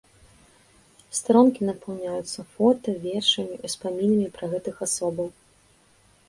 Старонкі напаўняюцца фота, вершамі, успамінамі пра гэтых асобаў.